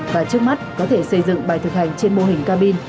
và trước mắt có thể xây dựng bài thực hành trên mô hình cabin